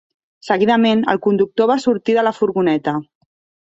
Seguidament, el conductor va sortir de la furgoneta.